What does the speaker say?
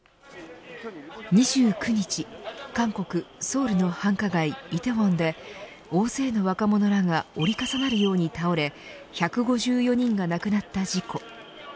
２９日韓国、ソウルの繁華街梨泰院で、大勢の若者らが折り重なるように倒れ１５４人が亡くなった事故。